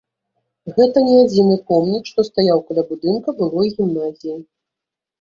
Гэта не адзіны помнік, што стаяў каля будынка былой гімназіі.